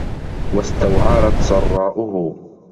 وَاسْتَوْعَرَتْ سَرَّاؤُهُ